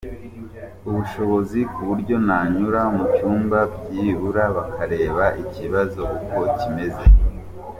ubushobozi ku buryo nanyura mu cyuma byibura bakareba ikibazo uko kimeze”.